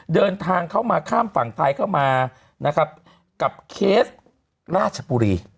เดินทางเข้ามาข้ามฝั่งไทยเข้ามานะครับกับเคสราชบุรี